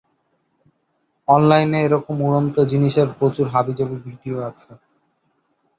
অনলাইনে ওরকম উড়ন্ত জিনিসের প্রচুর হাবিজাবি ভিডিও আছে।